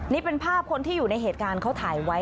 นี่เป็นภาพคนที่อยู่ในเหตุการณ์เขาถ่ายไว้